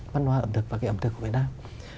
văn hóa ẩm thực và cái ẩm thực của việt nam